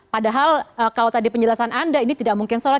padahal kalau tadi penjelasan anda ini tidak mungkin sholat